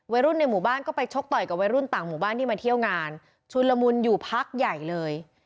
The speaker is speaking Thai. ในหมู่บ้านก็ไปชกต่อยกับวัยรุ่นต่างหมู่บ้านที่มาเที่ยวงานชุนละมุนอยู่พักใหญ่เลย